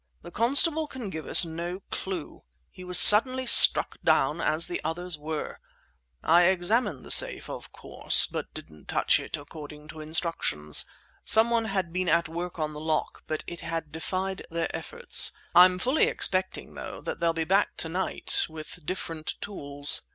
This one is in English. "The constable can give us no clue. He was suddenly struck down, as the others were. I examined the safe, of course, but didn't touch it, according to instructions. Someone had been at work on the lock, but it had defied their efforts. I'm fully expecting though that they'll be back to night, with different tools!"